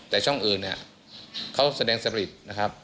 แต่ช่องอื่นเนี่ยเขาแสดงสผลิตนะครับ